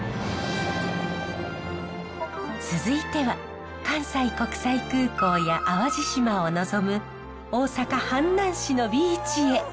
続いては関西国際空港や淡路島を臨む大阪・阪南市のビーチへ。